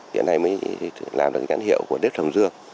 hiện nay mới làm được nhãn hiệu của đếp thầm dương